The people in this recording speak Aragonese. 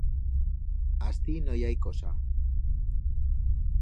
Astí no i hai cosa.